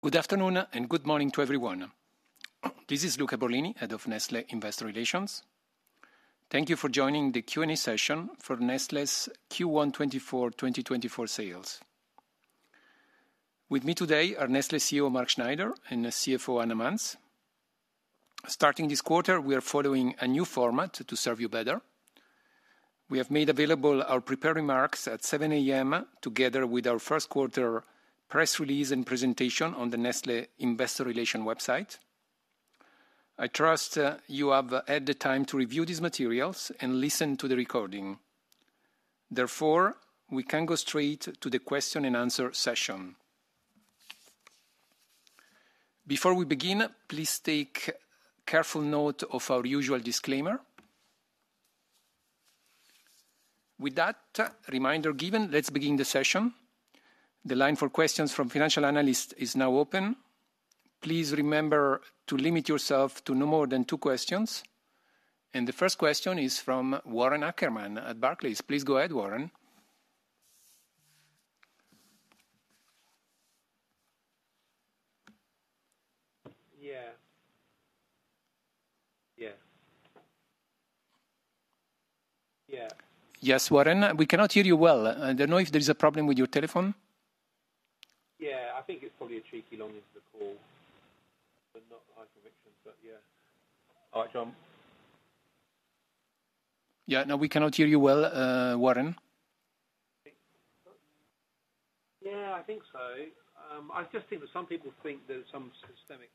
Good afternoon and good morning to everyone. This is Luca Borlini, head of Nestlé Investor Relations. Thank you for joining the Q&A session for Nestlé's Q1 2024 sales. With me today are Nestlé CEO Mark Schneider and CFO Anna Manz. Starting this quarter, we are following a new format to serve you better. We have made available our prepared remarks at 7:00 A.M. together with our first quarter press release and presentation on the Nestlé Investor Relations website. I trust you have had the time to review these materials and listen to the recording. Therefore, we can go straight to the question and answer session. Before we begin, please take careful note of our usual disclaimer. With that reminder given, let's begin the session. The line for questions from financial analysts is now open. Please remember to limit yourself to no more than two questions. The first question is from Warren Ackerman at Barclays. Please go ahead, Warren. Yeah. Yeah. Yeah. Yes, Warren. We cannot hear you well. I don't know if there is a problem with your telephone. Yeah. I think it's probably a shaky line on the call. I'm not high conviction, but yeah. All right, Jon. Yeah. Now, we cannot hear you well, Warren. Yeah. I think so. I just think that some people think there's some systemic.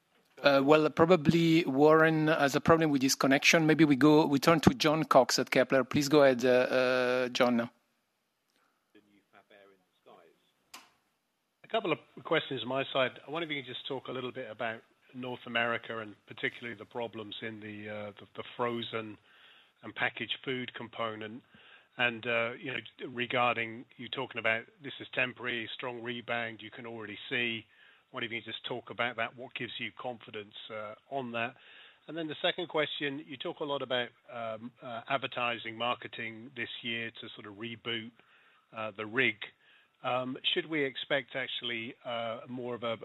Well, probably, Warren, there's a problem with this connection. Maybe we turn to Jon Cox at Kepler. Please go ahead, Jon. The new lavor in the skies. A couple of questions on my side. I wonder if you could just talk a little bit about North America and particularly the problems in the frozen and packaged food component. And regarding you talking about this is temporary, strong rebound, you can already see. I wonder if you could just talk about that. What gives you confidence on that? And then the second question, you talk a lot about advertising marketing this year to sort of reboot the RIG. Should we expect, actually, more of a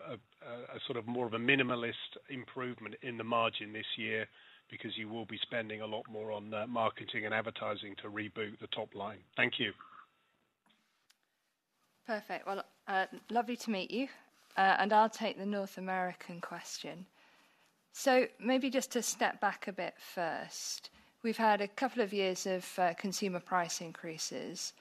sort of more of a minimalist improvement in the margin this year because you will be spending a lot more on marketing and advertising to reboot the top line? Thank you. Perfect. Well, lovely to meet you. I'll take the North American question. So maybe just to step back a bit first. We've had a couple of years of consumer price increases.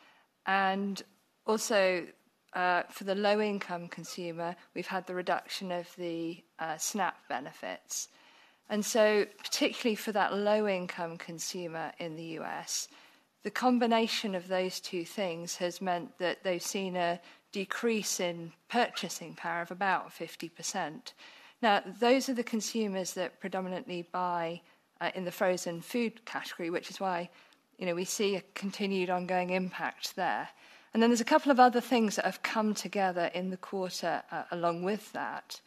Also, for the low-income consumer, we've had the reduction of the SNAP benefits. So, particularly for that low-income consumer in the U.S., the combination of those two things has meant that they've seen a decrease in purchasing power of about 50%. Now, those are the consumers that predominantly buy in the frozen food category, which is why we see a continued ongoing impact there. Then there's a couple of other things that have come together in the quarter along with that,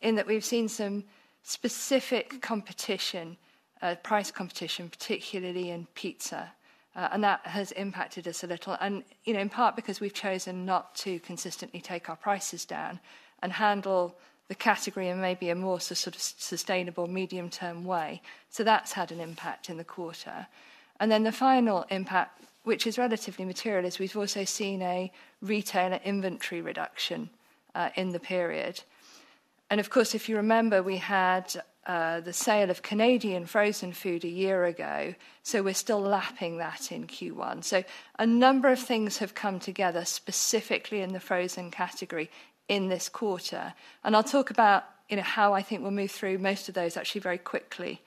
in that we've seen some specific competition, price competition, particularly in pizza. That has impacted us a little, in part because we've chosen not to consistently take our prices down and handle the category in maybe a more sort of sustainable, medium-term way. That's had an impact in the quarter. Then the final impact, which is relatively material, is we've also seen a retailer inventory reduction in the period. Of course, if you remember, we had the sale of Canadian frozen food a year ago. We're still lapping that in Q1. A number of things have come together specifically in the frozen category in this quarter. I'll talk about how I think we'll move through most of those, actually, very quickly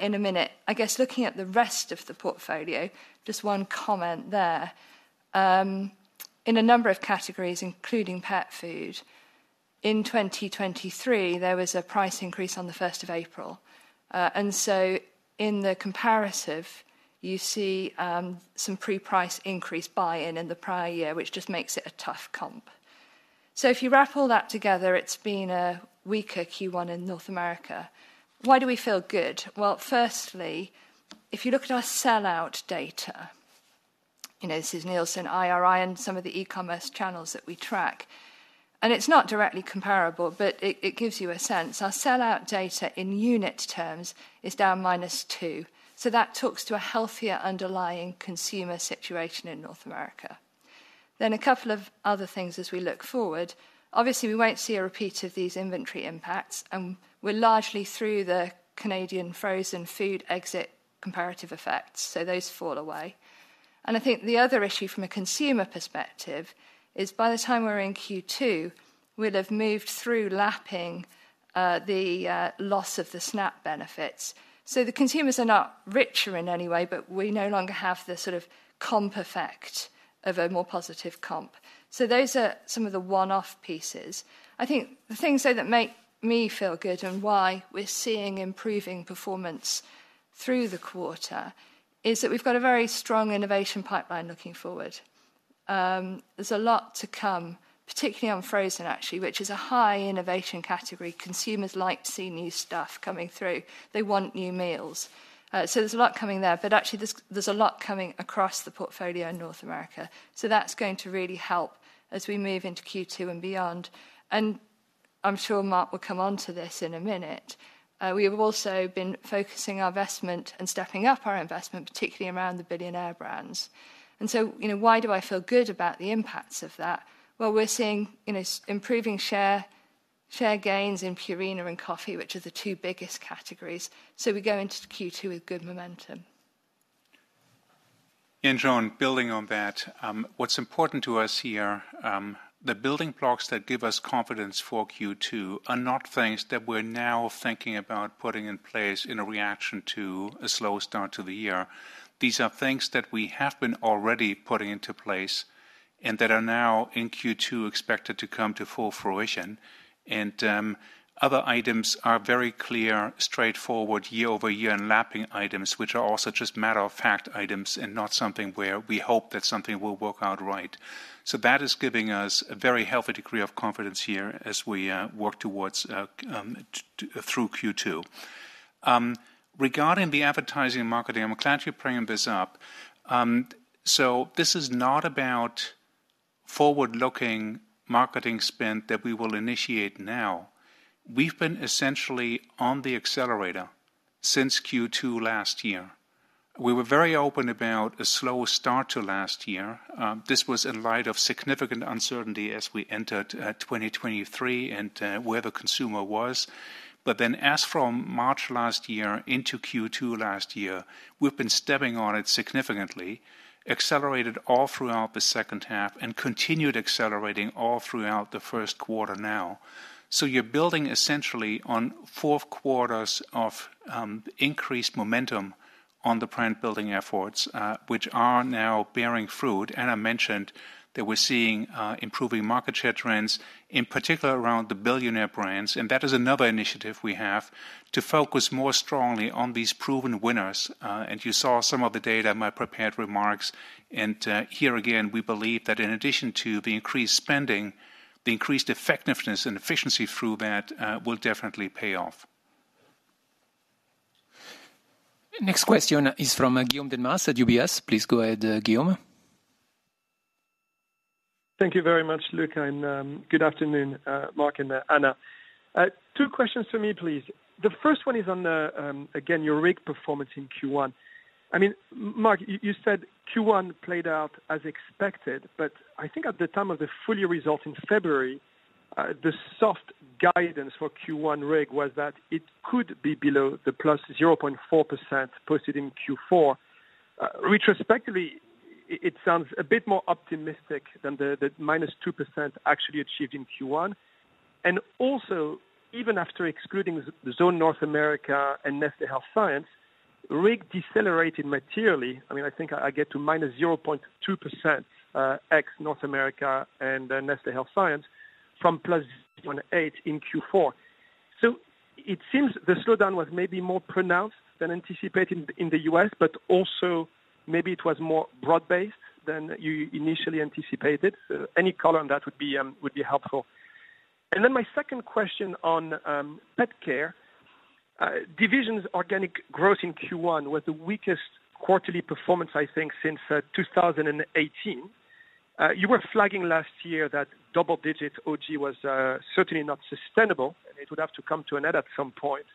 in a minute. I guess looking at the rest of the portfolio, just one comment there. In a number of categories, including pet food, in 2023, there was a price increase on the 1st of April. So in the comparative, you see some pre-price increase buy-in in the prior year, which just makes it a tough comp. So if you wrap all that together, it's been a weaker Q1 in North America. Why do we feel good? Well, firstly, if you look at our sellout data, this is Nielsen IRI and some of the e-commerce channels that we track. And it's not directly comparable, but it gives you a sense. Our sellout data in unit terms is down -2. So that talks to a healthier underlying consumer situation in North America. Then a couple of other things as we look forward. Obviously, we won't see a repeat of these inventory impacts. And we're largely through the Canadian frozen food exit comparative effects. So those fall away. And I think the other issue from a consumer perspective is by the time we're in Q2, we'll have moved through lapping the loss of the SNAP benefits. So the consumers are not richer in any way, but we no longer have the sort of comp effect of a more positive comp. So those are some of the one-off pieces. I think the things, though, that make me feel good and why we're seeing improving performance through the quarter is that we've got a very strong innovation pipeline looking forward. There's a lot to come, particularly on frozen, actually, which is a high innovation category. Consumers like seeing new stuff coming through. They want new meals. So there's a lot coming there. But actually, there's a lot coming across the portfolio in North America. So that's going to really help as we move into Q2 and beyond. I'm sure Mark will come on to this in a minute. We have also been focusing our investment and stepping up our investment, particularly around the Billionaire Brands. So why do I feel good about the impacts of that? Well, we're seeing improving share gains in Purina and coffee, which are the two biggest categories. We go into Q2 with good momentum. Yeah, Jon, building on that, what's important to us here, the building blocks that give us confidence for Q2 are not things that we're now thinking about putting in place in a reaction to a slow start to the year. These are things that we have been already putting into place and that are now in Q2 expected to come to full fruition. And other items are very clear, straightforward, year-over-year and lapping items, which are also just matter-of-fact items and not something where we hope that something will work out right. So that is giving us a very healthy degree of confidence here as we work towards through Q2. Regarding the advertising and marketing, I'm glad you're bringing this up. So this is not about forward-looking marketing spend that we will initiate now. We've been essentially on the accelerator since Q2 last year. We were very open about a slower start to last year. This was in light of significant uncertainty as we entered 2023 and where the consumer was. But then as from March last year into Q2 last year, we've been stepping on it significantly, accelerated all throughout the second half, and continued accelerating all throughout the first quarter now. So you're building essentially on fourth quarters of increased momentum on the brand-building efforts, which are now bearing fruit. I mentioned that we're seeing improving market share trends, in particular around the Billionaire Brands. That is another initiative we have to focus more strongly on these proven winners. You saw some of the data in my prepared remarks. Here again, we believe that in addition to the increased spending, the increased effectiveness and efficiency through that will definitely pay off. Next question is from Guillaume Delmas at UBS. Please go ahead, Guillaume. Thank you very much, Luca. Good afternoon, Mark and Anna. Two questions for me, please. The first one is on, again, your RIG performance in Q1. I mean, Mark, you said Q1 played out as expected. But I think at the time of the full-year results in February, the soft guidance for Q1 RIG was that it could be below the +0.4% posted in Q4. Retrospectively, it sounds a bit more optimistic than the -2% actually achieved in Q1. Also, even after excluding the Zone North America and Nestlé Health Science, RIG decelerated materially. I mean, I think I get to -0.2% ex North America and Nestlé Health Science from +0.8% in Q4. So it seems the slowdown was maybe more pronounced than anticipated in the U.S. But also, maybe it was more broad-based than you initially anticipated. So any color on that would be helpful. Then my second question on pet care division's organic growth in Q1 was the weakest quarterly performance, I think, since 2018. You were flagging last year that double-digit OG was certainly not sustainable. And it would have to come to an end at some point.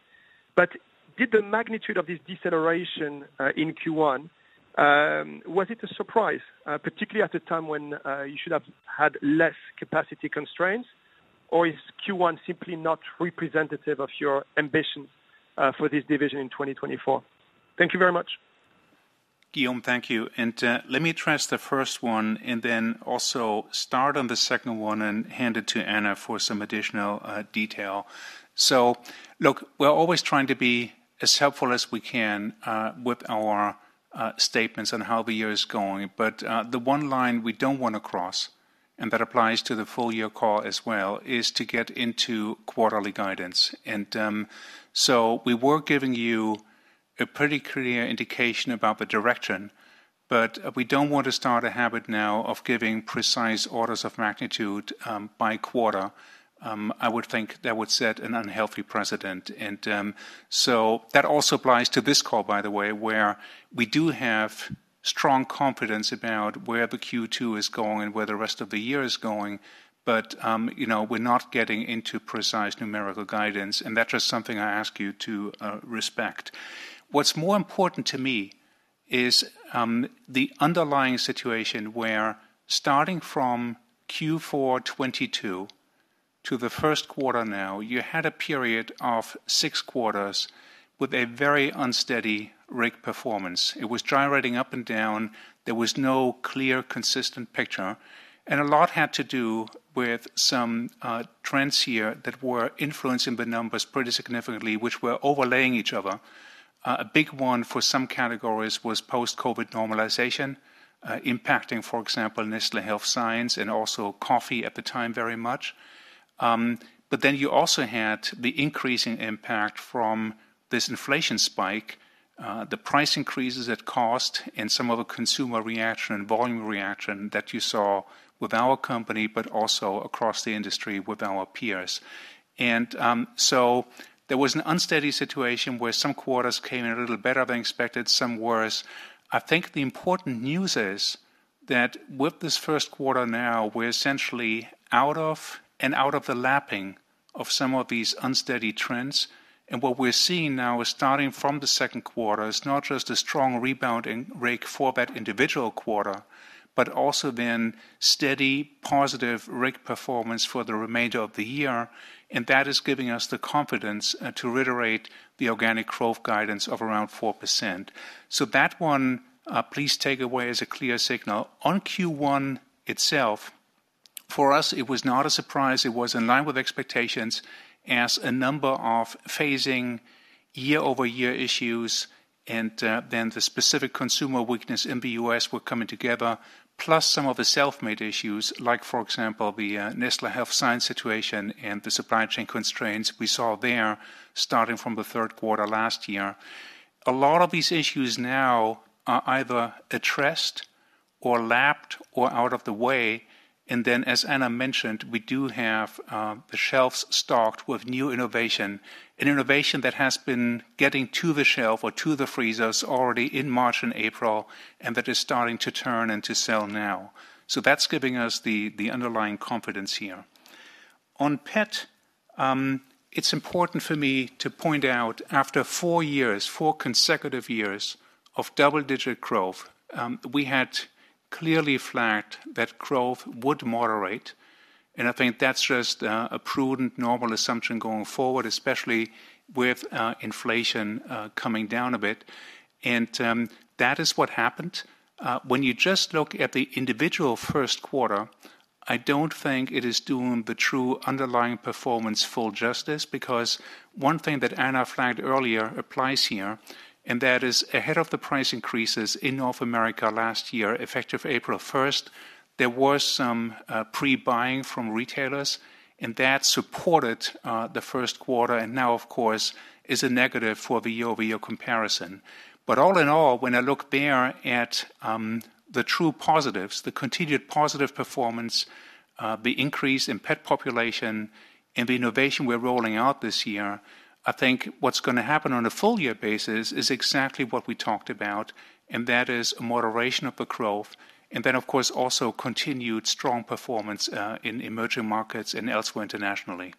But did the magnitude of this deceleration in Q1, was it a surprise, particularly at a time when you should have had less capacity constraints? Or is Q1 simply not representative of your ambitions for this division in 2024? Thank you very much. Guillaume, thank you. Let me address the first one and then also start on the second one and hand it to Anna for some additional detail. Look, we're always trying to be as helpful as we can with our statements on how the year is going. The one line we don't want to cross, and that applies to the full-year call as well, is to get into quarterly guidance. We were giving you a pretty clear indication about the direction. We don't want to start a habit now of giving precise orders of magnitude by quarter. I would think that would set an unhealthy precedent. That also applies to this call, by the way, where we do have strong confidence about where the Q2 is going and where the rest of the year is going. But we're not getting into precise numerical guidance. And that's just something I ask you to respect. What's more important to me is the underlying situation where starting from Q4 2022 to the first quarter now, you had a period of six quarters with a very unsteady RIG performance. It was driving up and down. There was no clear, consistent picture. And a lot had to do with some trends here that were influencing the numbers pretty significantly, which were overlaying each other. A big one for some categories was post-COVID normalization impacting, for example, Nestlé Health Science and also coffee at the time very much. But then you also had the increasing impact from this inflation spike, the pricing increases and cost, and some of the consumer reaction and volume reaction that you saw with our company but also across the industry with our peers. There was an unsteady situation where some quarters came in a little better than expected, some worse. I think the important news is that with this first quarter now, we're essentially out of and out of the lapping of some of these unsteady trends. What we're seeing now is starting from the second quarter, it's not just a strong rebound in RIG for that individual quarter but also then steady, positive RIG performance for the remainder of the year. That is giving us the confidence to reiterate the organic growth guidance of around 4%. That one, please take away as a clear signal. On Q1 itself, for us, it was not a surprise. It was in line with expectations as a number of phasing year-over-year issues and then the specific consumer weakness in the US were coming together, plus some of the self-made issues, like, for example, the Nestlé Health Science situation and the supply chain constraints we saw there starting from the third quarter last year. A lot of these issues now are either addressed or lapped or out of the way. And then, as Anna mentioned, we do have the shelves stocked with new innovation, an innovation that has been getting to the shelf or to the freezers already in March and April and that is starting to turn into sale now. So that's giving us the underlying confidence here. On pet, it's important for me to point out, after four years, four consecutive years of double-digit growth, we had clearly flagged that growth would moderate. I think that's just a prudent, normal assumption going forward, especially with inflation coming down a bit. That is what happened. When you just look at the individual first quarter, I don't think it is doing the true underlying performance full justice. Because one thing that Anna flagged earlier applies here. That is, ahead of the price increases in North America last year, effective April 1st, there was some pre-buying from retailers. That supported the first quarter. Now, of course, is a negative for the year-over-year comparison. But all in all, when I look there at the true positives, the continued positive performance, the increase in pet population, and the innovation we're rolling out this year, I think what's going to happen on a full-year basis is exactly what we talked about. That is a moderation of the growth and then, of course, also continued strong performance in emerging markets and elsewhere internationally.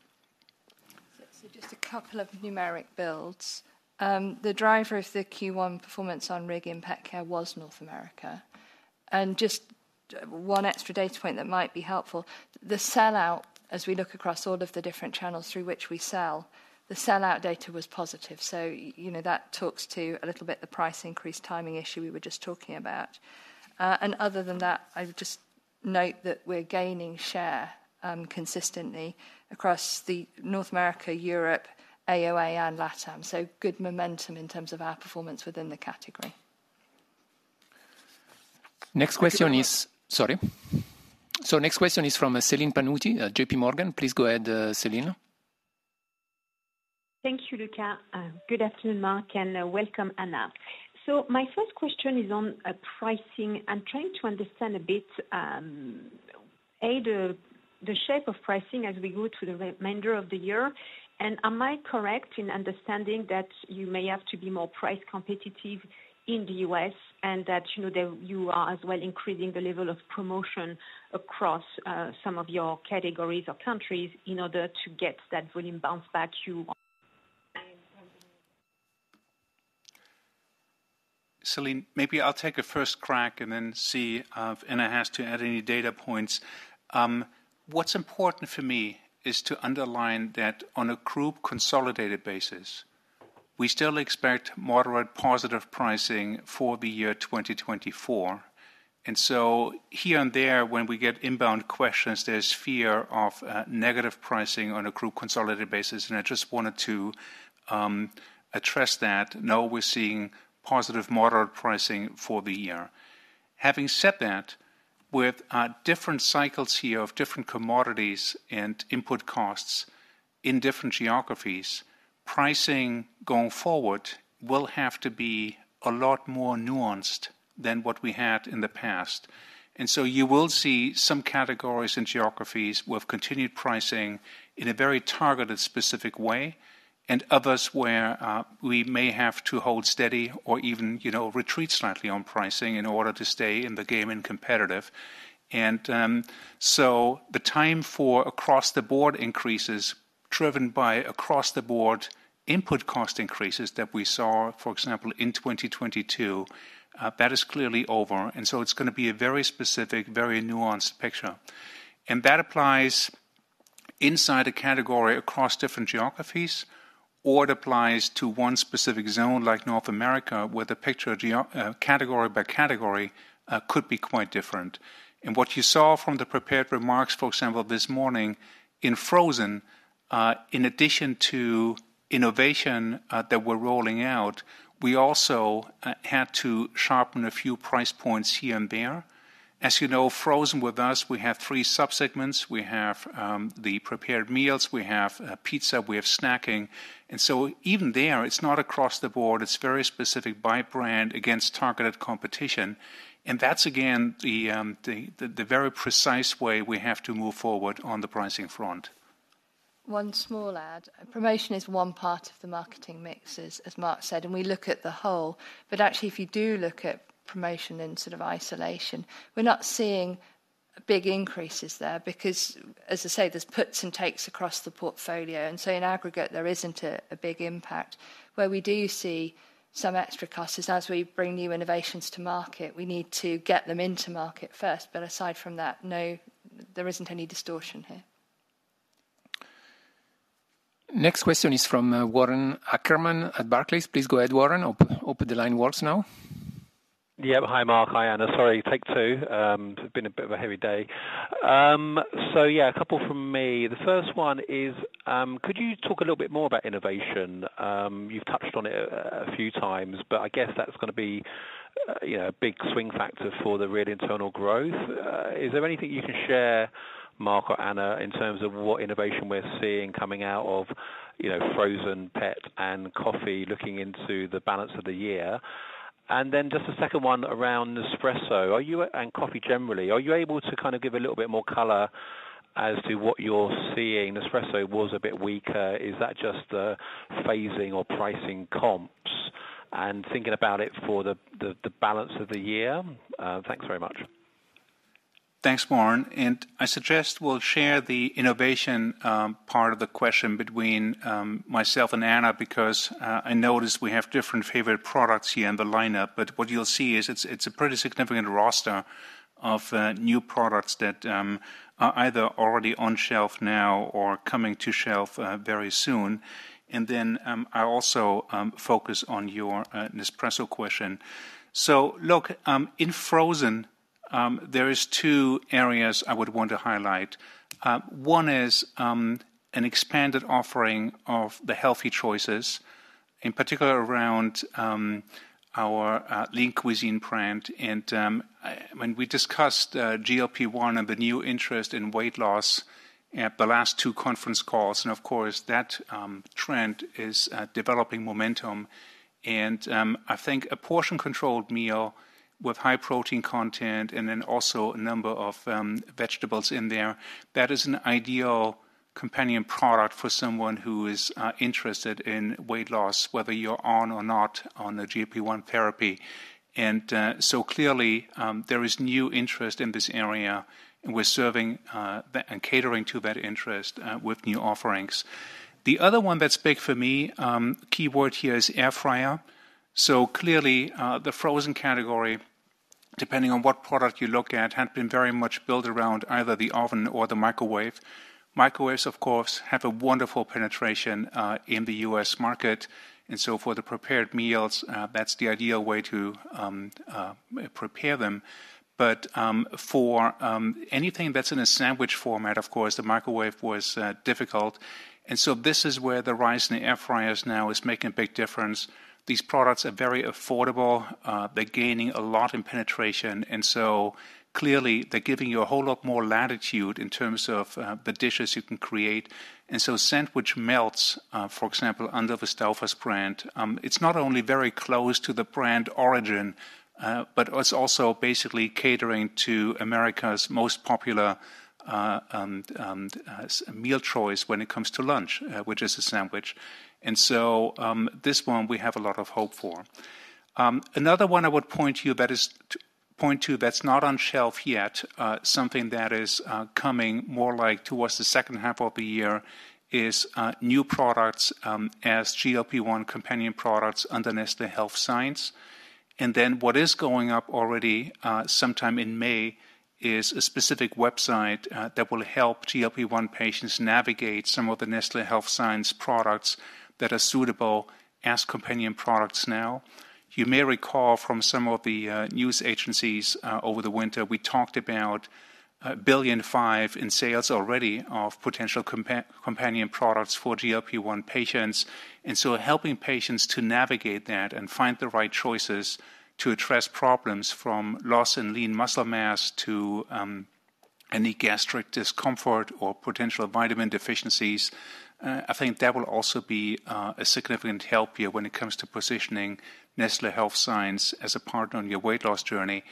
So just a couple of numeric builds. The driver of the Q1 performance on RIG in pet care was North America. Just one extra data point that might be helpful. The sellout, as we look across all of the different channels through which we sell, the sellout data was positive. So that talks to a little bit the price increase timing issue we were just talking about. Other than that, I would just note that we're gaining share consistently across North America, Europe, AOA, and LATAM. So good momentum in terms of our performance within the category. Next question is sorry. Next question is from Céline Pannuti, J.P. Morgan. Please go ahead, Céline. Thank you, Luca. Good afternoon, Mark. And welcome, Anna. My first question is on pricing. I'm trying to understand a bit, the shape of pricing as we go through the remainder of the year. Am I correct in understanding that you may have to be more price competitive in the US and that you are as well increasing the level of promotion across some of your categories or countries in order to get that volume bounce back you want? Céline, maybe I'll take a first crack and then see if Anna has to add any data points. What's important for me is to underline that on a group consolidated basis, we still expect moderate positive pricing for the year 2024. And so here and there, when we get inbound questions, there's fear of negative pricing on a group consolidated basis. And I just wanted to address that. No, we're seeing positive, moderate pricing for the year. Having said that, with different cycles here of different commodities and input costs in different geographies, pricing going forward will have to be a lot more nuanced than what we had in the past. You will see some categories and geographies with continued pricing in a very targeted, specific way and others where we may have to hold steady or even retreat slightly on pricing in order to stay in the game and competitive. The time for across-the-board increases driven by across-the-board input cost increases that we saw, for example, in 2022, that is clearly over. It's going to be a very specific, very nuanced picture. That applies inside a category across different geographies. Or it applies to one specific zone like North America where the picture category by category could be quite different. What you saw from the prepared remarks, for example, this morning in frozen, in addition to innovation that we're rolling out, we also had to sharpen a few price points here and there. As you know, frozen, with us, we have three subsegments. We have the prepared meals. We have pizza. We have snacking. And so even there, it's not across the board. It's very specific by brand against targeted competition. And that's, again, the very precise way we have to move forward on the pricing front. One small add. Promotion is one part of the marketing mix, as Mark said. We look at the whole. But actually, if you do look at promotion in sort of isolation, we're not seeing big increases there. Because, as I say, there's puts and takes across the portfolio. And so in aggregate, there isn't a big impact. Where we do see some extra costs is as we bring new innovations to market, we need to get them into market first. But aside from that, no, there isn't any distortion here. Next question is from Warren Ackerman at Barclays. Please go ahead, Warren. Hope the line works now. Yeah. Hi, Mark. Hi, Anna. Sorry, take two. It's been a bit of a heavy day. So yeah, a couple from me. The first one is, could you talk a little bit more about innovation? You've touched on it a few times. But I guess that's going to be a big swing factor for the real internal growth. Is there anything you can share, Mark or Anna, in terms of what innovation we're seeing coming out of frozen, pet, and coffee looking into the balance of the year? And then just a second one around Nespresso. And coffee generally, are you able to kind of give a little bit more color as to what you're seeing? Nespresso was a bit weaker. Is that just the phasing or pricing comps and thinking about it for the balance of the year? Thanks very much. Thanks, Warren. I suggest we'll share the innovation part of the question between myself and Anna because I noticed we have different favorite products here in the lineup. What you'll see is it's a pretty significant roster of new products that are either already on shelf now or coming to shelf very soon. Then I'll also focus on your Nespresso question. Look, in frozen, there are two areas I would want to highlight. One is an expanded offering of the healthy choices, in particular around our Lean Cuisine brand. When we discussed GLP-1 and the new interest in weight loss at the last two conference calls, and of course, that trend is developing momentum. I think a portion-controlled meal with high protein content and then also a number of vegetables in there, that is an ideal companion product for someone who is interested in weight loss, whether you're on or not on a GLP-1 therapy. So clearly, there is new interest in this area. We're serving and catering to that interest with new offerings. The other one that's big for me, keyword here, is air fryer. So clearly, the frozen category, depending on what product you look at, had been very much built around either the oven or the microwave. Microwaves, of course, have a wonderful penetration in the U.S. market. So for the prepared meals, that's the ideal way to prepare them. But for anything that's in a sandwich format, of course, the microwave was difficult. And so this is where the rise in the air fryers now is making a big difference. These products are very affordable. They're gaining a lot in penetration. And so clearly, they're giving you a whole lot more latitude in terms of the dishes you can create. And so sandwich melts, for example, under the Stouffer's brand. It's not only very close to the brand origin but it's also basically catering to America's most popular meal choice when it comes to lunch, which is a sandwich. And so this one, we have a lot of hope for. Another one I would point to that's not on shelf yet, something that is coming more like towards the second half of the year, is new products as GLP-1 companion products under Nestlé Health Science. Then what is going up already sometime in May is a specific website that will help GLP-1 patients navigate some of the Nestlé Health Science products that are suitable as companion products now. You may recall from some of the news agencies over the winter, we talked about 1.5 billion in sales already of potential companion products for GLP-1 patients. And so helping patients to navigate that and find the right choices to address problems from loss in lean muscle mass to any gastric discomfort or potential vitamin deficiencies, I think that will also be a significant help here when it comes to positioning Nestlé Health Science as a partner on your weight loss journey.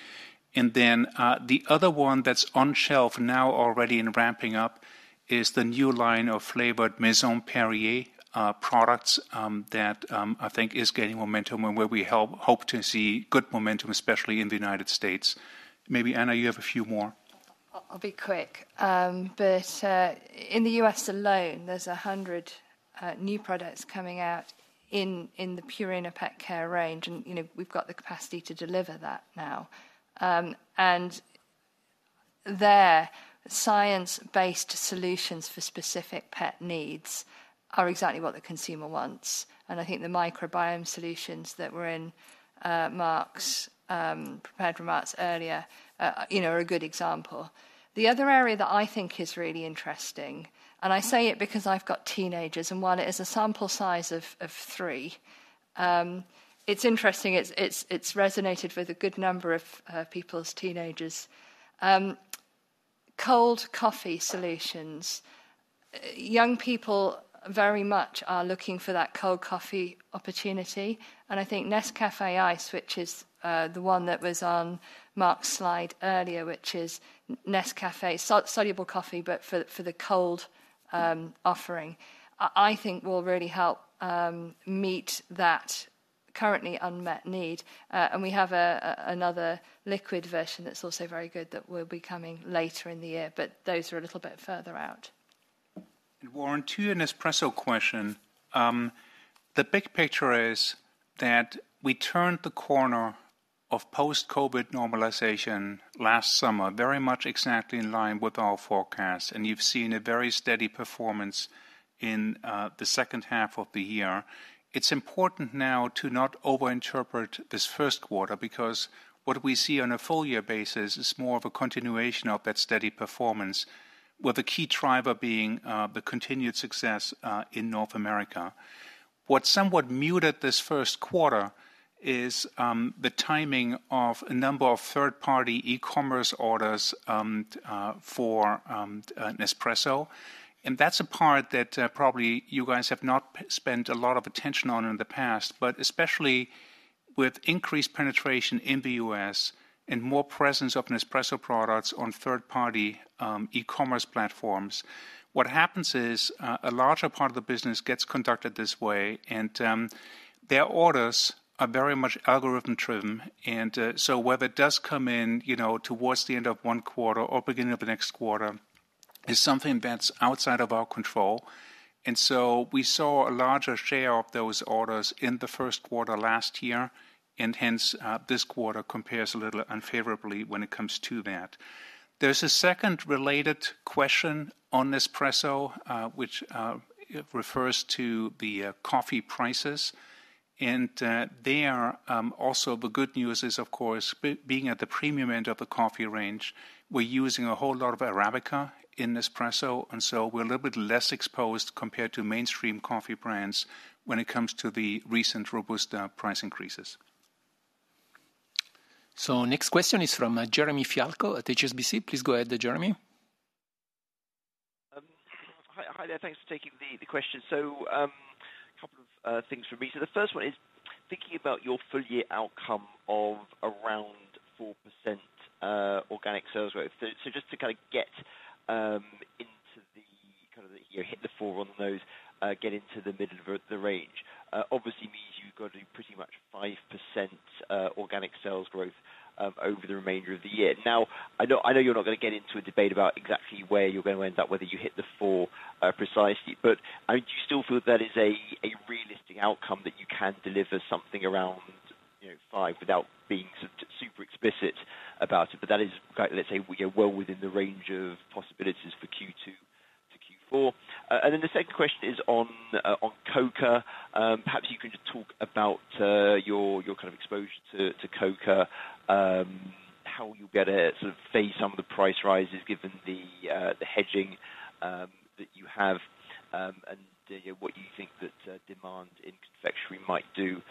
And then the other one that's on shelf now already and ramping up is the new line of flavored Maison Perrier products that I think is gaining momentum and where we hope to see good momentum, especially in the United States. Maybe, Anna, you have a few more. I'll be quick. But in the U.S. alone, there's 100 new products coming out in the Purina PetCare range. And we've got the capacity to deliver that now. And there, science-based solutions for specific pet needs are exactly what the consumer wants. And I think the microbiome solutions that were in Mark's prepared remarks earlier are a good example. The other area that I think is really interesting and I say it because I've got teenagers. And one, it is a sample size of three. It's interesting. It's resonated with a good number of people's teenagers. Cold coffee solutions. Young people very much are looking for that cold coffee opportunity. And I think Nescafé Ice, which is the one that was on Mark's slide earlier, which is Nescafé soluble coffee but for the cold offering, I think will really help meet that currently unmet need. And we have another liquid version that's also very good that will be coming later in the year. But those are a little bit further out. Warren, to your Nespresso question, the big picture is that we turned the corner of post-COVID normalization last summer, very much exactly in line with our forecasts. You've seen a very steady performance in the second half of the year. It's important now to not overinterpret this first quarter because what we see on a full-year basis is more of a continuation of that steady performance, with a key driver being the continued success in North America. What somewhat muted this first quarter is the timing of a number of third-party e-commerce orders for Nespresso. That's a part that probably you guys have not spent a lot of attention on in the past. Especially with increased penetration in the US and more presence of Nespresso products on third-party e-commerce platforms, what happens is a larger part of the business gets conducted this way. Their orders are very much algorithm-driven. So whether it does come in towards the end of one quarter or beginning of the next quarter is something that's outside of our control. So we saw a larger share of those orders in the first quarter last year. Hence, this quarter compares a little unfavorably when it comes to that. There's a second related question on Nespresso, which refers to the coffee prices. There, also, the good news is, of course, being at the premium end of the coffee range, we're using a whole lot of Arabica in Nespresso. So we're a little bit less exposed compared to mainstream coffee brands when it comes to the recent Robusta price increases. Next question is from Jeremy Fialko at HSBC. Please go ahead, Jeremy. Hi there. Thanks for taking the question. So a couple of things from me. So the first one is thinking about your full-year outcome of around 4% organic sales growth. So just to kind of get into the kind of hit the four on the nose, get into the middle of the range, obviously means you've got to do pretty much 5% organic sales growth over the remainder of the year. Now, I know you're not going to get into a debate about exactly where you're going to end up, whether you hit the four precisely. But do you still feel that that is a realistic outcome that you can deliver something around 5% without being super explicit about it? But that is, let's say, well within the range of possibilities for Q2 to Q4. And then the second question is on cocoa. Perhaps you can just talk about your kind of exposure to cocoa, how you'll get to sort of face some of the price rises given the hedging that you have, and what you think that demand in confectionery might do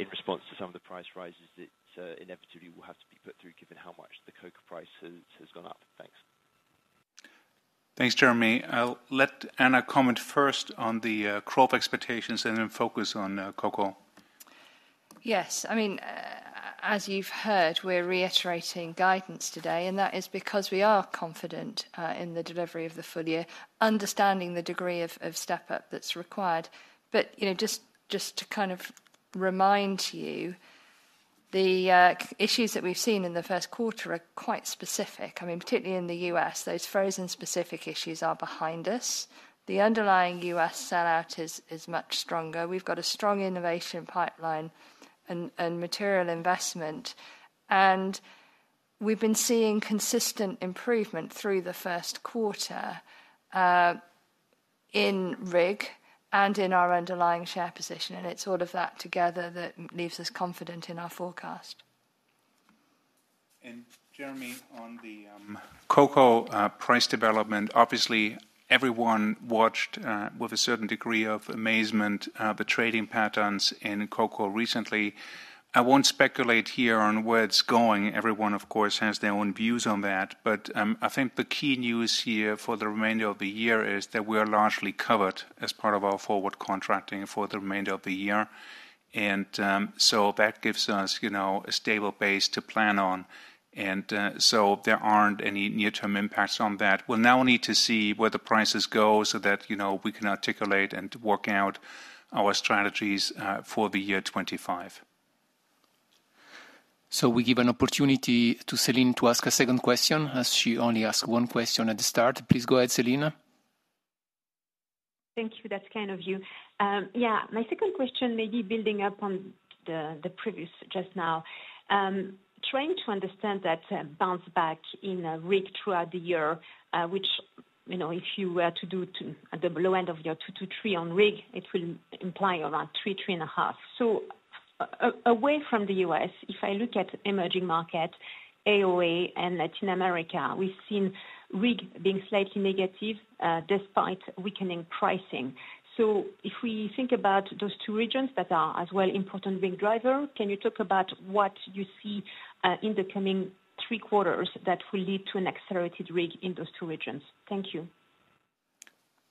in response to some of the price rises that inevitably will have to be put through given how much the cocoa price has gone up. Thanks. Thanks, Jeremy. I'll let Anna comment first on the growth expectations and then focus on cocoa. Yes. I mean, as you've heard, we're reiterating guidance today. That is because we are confident in the delivery of the full year, understanding the degree of step-up that's required. But just to kind of remind you, the issues that we've seen in the first quarter are quite specific. I mean, particularly in the U.S., those frozen-specific issues are behind us. The underlying U.S. sellout is much stronger. We've got a strong innovation pipeline and material investment. And we've been seeing consistent improvement through the first quarter in RIG and in our underlying share position. And it's all of that together that leaves us confident in our forecast. Jeremy, on the cocoa price development, obviously, everyone watched with a certain degree of amazement the trading patterns in cocoa recently. I won't speculate here on where it's going. Everyone, of course, has their own views on that. But I think the key news here for the remainder of the year is that we are largely covered as part of our forward contracting for the remainder of the year. And so that gives us a stable base to plan on. And so there aren't any near-term impacts on that. We'll now need to see where the prices go so that we can articulate and work out our strategies for the year 2025. So we give an opportunity to Céline to ask a second question as she only asked one question at the start. Please go ahead, Céline. Thank you. That's kind of you. Yeah. My second question, maybe building up on the previous just now, trying to understand that bounce back in RIG throughout the year, which if you were to do at the low end of your 2-3 on RIG, it will imply around 3, 3.5. So away from the US, if I look at emerging markets, AOA and Latin America, we've seen RIG being slightly negative despite weakening pricing. So if we think about those two regions that are as well important RIG driver, can you talk about what you see in the coming 3 quarters that will lead to an accelerated RIG in those two regions? Thank you.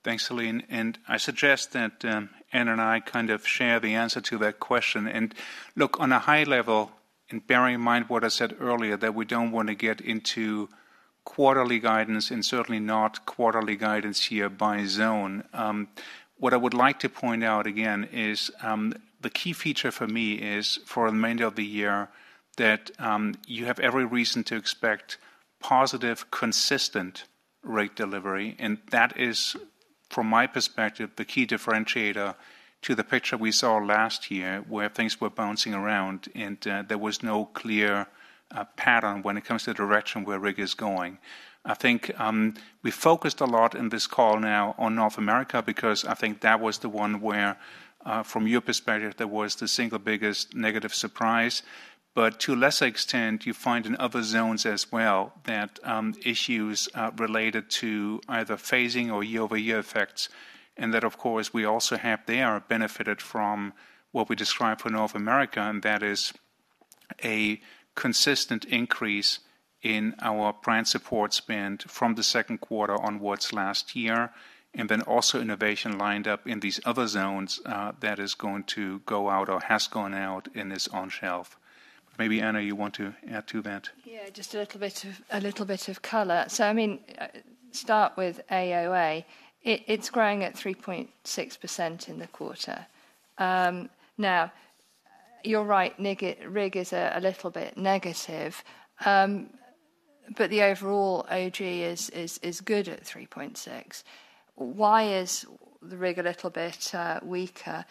Thanks, Celine. I suggest that Anna and I kind of share the answer to that question. Look, on a high level, and bearing in mind what I said earlier, that we don't want to get into quarterly guidance and certainly not quarterly guidance here by zone. What I would like to point out again is the key feature for me is, for the remainder of the year, that you have every reason to expect positive, consistent rig delivery. That is, from my perspective, the key differentiator to the picture we saw last year where things were bouncing around and there was no clear pattern when it comes to the direction where rig is going. I think we focused a lot in this call now on North America because I think that was the one where, from your perspective, there was the single biggest negative surprise. But to a lesser extent, you find in other zones as well that issues related to either phasing or year-over-year effects. And that, of course, we also have there benefited from what we describe for North America. And that is a consistent increase in our brand support spend from the second quarter onwards last year. And then also innovation lined up in these other zones that is going to go out or has gone out and is on shelf. Maybe, Anna, you want to add to that? Yeah. Just a little bit of color. So I mean, start with AOA. It's growing at 3.6% in the quarter. Now, you're right. RIG is a little bit negative. But the overall OG is good at 3.6. Why is the RIG a little bit weaker?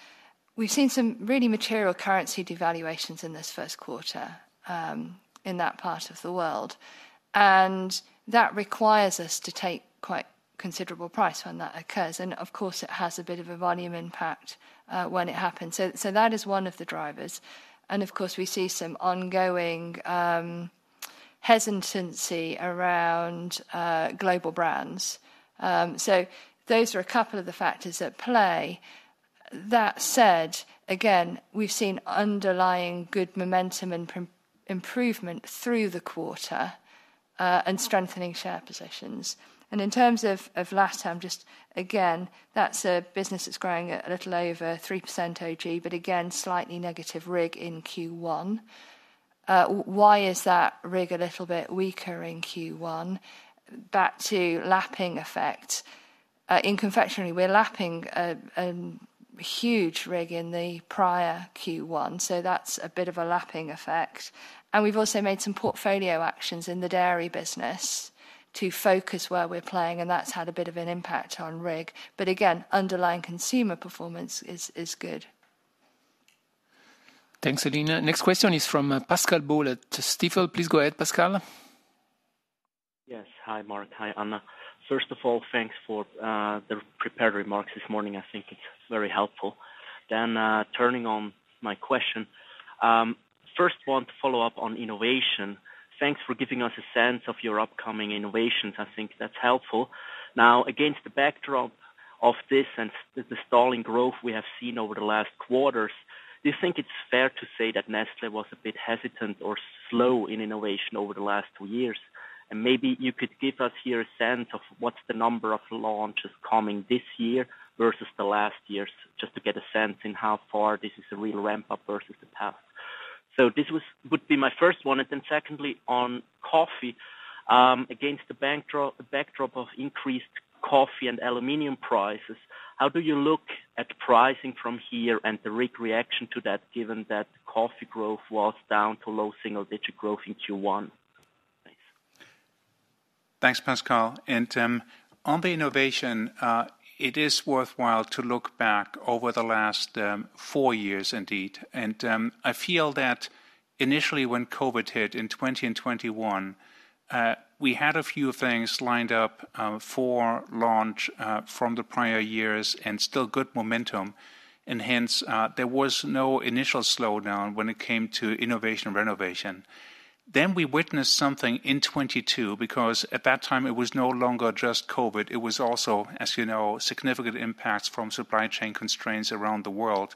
We've seen some really material currency devaluations in this first quarter in that part of the world. And that requires us to take quite considerable price when that occurs. And, of course, it has a bit of a volume impact when it happens. So that is one of the drivers. And, of course, we see some ongoing hesitancy around global brands. So those are a couple of the factors at play. That said, again, we've seen underlying good momentum and improvement through the quarter and strengthening share positions. In terms of LATAM, just again, that's a business that's growing a little over 3% OG but, again, slightly negative RIG in Q1. Why is that RIG a little bit weaker in Q1? Back to lapping effect. In confectionery, we're lapping a huge RIG in the prior Q1. So that's a bit of a lapping effect. We've also made some portfolio actions in the dairy business to focus where we're playing. And that's had a bit of an impact on RIG. But, again, underlying consumer performance is good. Thanks, Céline. Next question is from Pascal Boll of Stifel, please go ahead, Pascal. Yes. Hi, Mark. Hi, Anna. First of all, thanks for the prepared remarks this morning. I think it's very helpful. Then, turning to my question, first want to follow up on innovation. Thanks for giving us a sense of your upcoming innovations. I think that's helpful. Now, against the backdrop of this and the stalling growth we have seen over the last quarters, do you think it's fair to say that Nestlé was a bit hesitant or slow in innovation over the last two years? And maybe you could give us here a sense of what's the number of launches coming this year versus the last years, just to get a sense in how far this is a real ramp-up versus the past. So this would be my first one. And then, secondly, on coffee, against the backdrop of increased coffee and aluminum prices, how do you look at pricing from here and the RIG reaction to that given that coffee growth was down to low single-digit growth in Q1? Thanks. Thanks, Pascal. On the innovation, it is worthwhile to look back over the last four years, indeed. I feel that, initially, when COVID hit in 2021, we had a few things lined up for launch from the prior years and still good momentum. Hence, there was no initial slowdown when it came to innovation and renovation. We witnessed something in 2022 because, at that time, it was no longer just COVID. It was also, as you know, significant impacts from supply chain constraints around the world.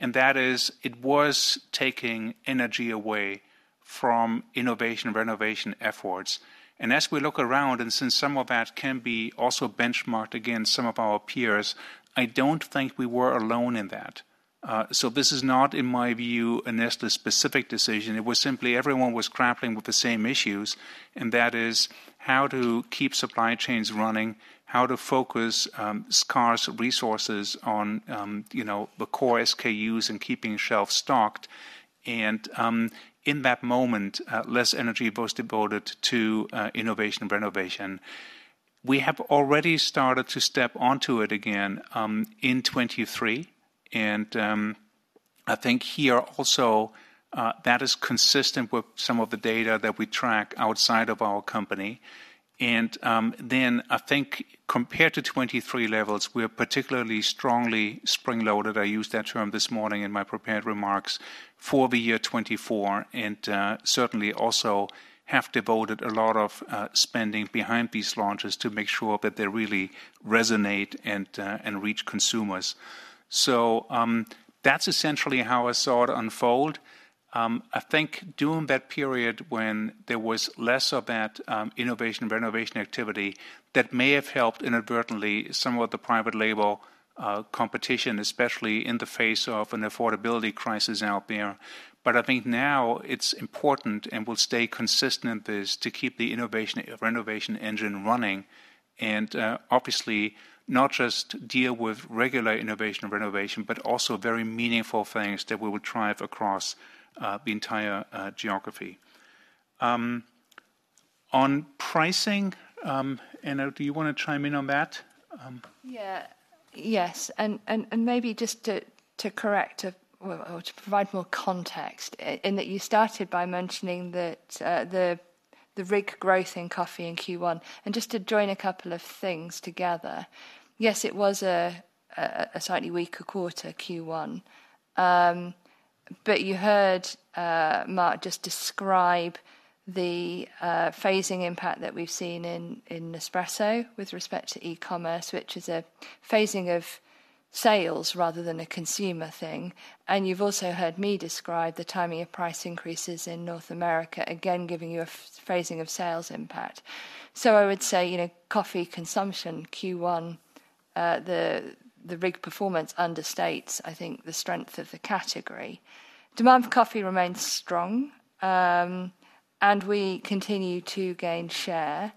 That is, it was taking energy away from innovation and renovation efforts. As we look around, and since some of that can be also benchmarked against some of our peers, I don't think we were alone in that. This is not, in my view, a Nestlé-specific decision. It was simply everyone was grappling with the same issues. That is how to keep supply chains running, how to focus scarce resources on the core SKUs and keeping shelves stocked. In that moment, less energy was devoted to innovation and renovation. We have already started to step onto it again in 2023. I think here also, that is consistent with some of the data that we track outside of our company. Then, I think, compared to 2023 levels, we're particularly strongly spring-loaded, I used that term this morning in my prepared remarks, for the year 2024 and certainly also have devoted a lot of spending behind these launches to make sure that they really resonate and reach consumers. So that's essentially how I saw it unfold. I think during that period when there was less of that innovation and renovation activity, that may have helped, inadvertently, some of the private label competition, especially in the face of an affordability crisis out there. But I think now it's important and will stay consistent in this to keep the innovation and renovation engine running and, obviously, not just deal with regular innovation and renovation but also very meaningful things that we will drive across the entire geography. On pricing, Anna, do you want to chime in on that? Yeah. Yes. And maybe just to correct or to provide more context in that you started by mentioning the RIG growth in coffee in Q1. And just to join a couple of things together, yes, it was a slightly weaker quarter Q1. But you heard Mark just describe the phasing impact that we've seen in Nespresso with respect to e-commerce, which is a phasing of sales rather than a consumer thing. And you've also heard me describe the timing of price increases in North America, again giving you a phasing of sales impact. So I would say coffee consumption Q1, the RIG performance understates, I think, the strength of the category. Demand for coffee remains strong. And we continue to gain share.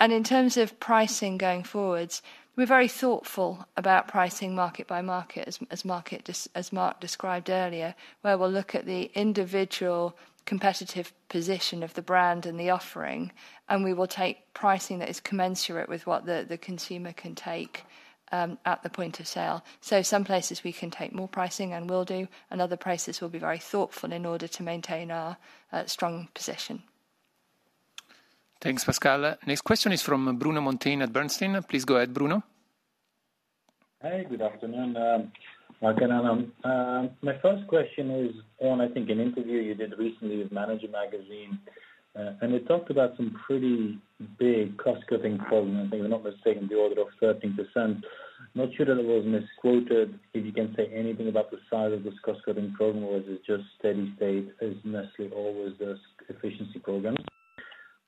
In terms of pricing going forward, we're very thoughtful about pricing market by market, as Mark described earlier, where we'll look at the individual competitive position of the brand and the offering. We will take pricing that is commensurate with what the consumer can take at the point of sale. Some places, we can take more pricing and will do. Other places, we'll be very thoughtful in order to maintain our strong position. Thanks, Pascale. Next question is from Bruno Monteyne at Bernstein. Please go ahead, Bruno. Hi. Good afternoon, Mark and Anna. My first question is on, I think, an interview you did recently with Manager Magazin. It talked about some pretty big cost-cutting problems. I think, if I'm not mistaken, in the order of 13%. Not sure that it was misquoted if you can say anything about the size of this cost-cutting problem, whether it's just steady state as Nestlé always does, efficiency programs.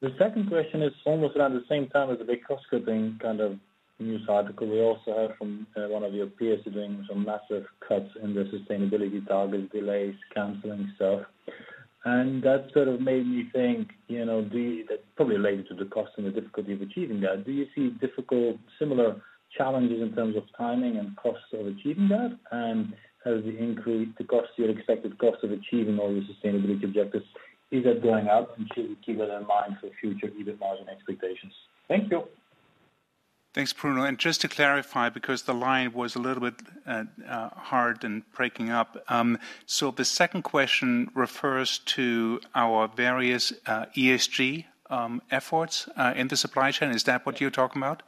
The second question is almost around the same time as the big cost-cutting kind of news article we also heard from one of your peers doing some massive cuts in their sustainability targets, delays, canceling stuff. That sort of made me think that's probably related to the cost and the difficulty of achieving that. Do you see similar challenges in terms of timing and costs of achieving that? Has the cost, your expected cost of achieving all your sustainability objectives, is that going up? Should we keep that in mind for future EBIT margin expectations? Thank you. Thanks, Bruno. And just to clarify because the line was a little bit hard and breaking up, so the second question refers to our various ESG efforts in the supply chain. Is that what you're talking about?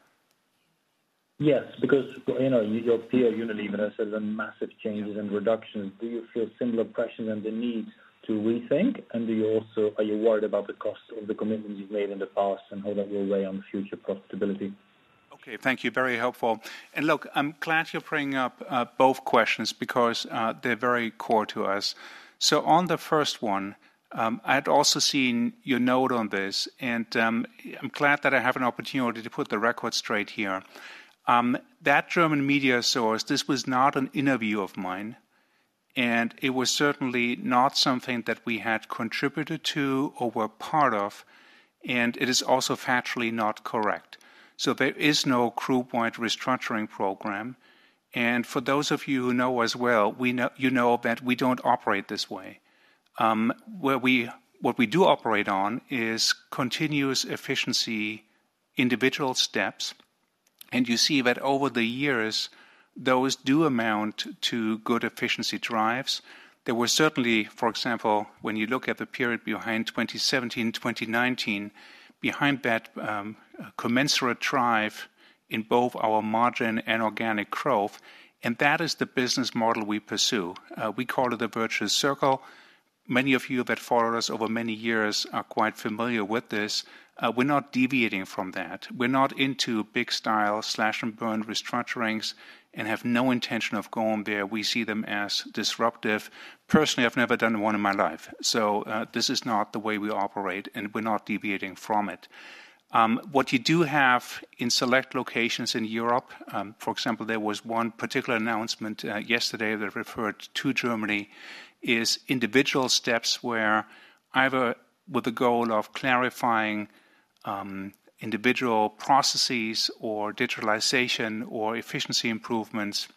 Yes. Because your peer, Unilever, has said there are massive changes and reductions. Do you feel similar pressures and the need to rethink? And are you worried about the cost of the commitments you've made in the past and how that will weigh on the future profitability? Okay. Thank you. Very helpful. Look, I'm glad you're bringing up both questions because they're very core to us. On the first one, I had also seen your note on this. I'm glad that I have an opportunity already to put the record straight here. That German media source, this was not an interview of mine. It was certainly not something that we had contributed to or were part of. It is also factually not correct. There is no group-wide restructuring program. For those of you who know as well, you know that we don't operate this way. What we do operate on is continuous efficiency individual steps. You see that, over the years, those do amount to good efficiency drives. There were certainly, for example, when you look at the period behind 2017, 2019, behind that commensurate drive in both our margin and organic growth. That is the business model we pursue. We call it the virtuous circle. Many of you that followed us over many years are quite familiar with this. We're not deviating from that. We're not into big-style slash-and-burn restructurings and have no intention of going there. We see them as disruptive. Personally, I've never done one in my life. So this is not the way we operate. We're not deviating from it. What you do have in select locations in Europe, for example, there was one particular announcement yesterday that referred to Germany, is individual steps where either with the goal of clarifying individual processes or digitalization or efficiency improvements,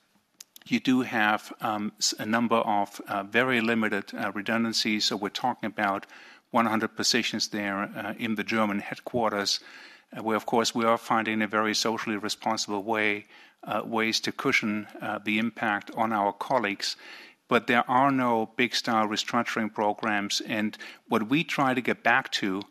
you do have a number of very limited redundancies. So we're talking about 100 positions there in the German headquarters, where, of course, we are finding a very socially responsible way to cushion the impact on our colleagues. But there are no big-style restructuring programs. And what we try to get back to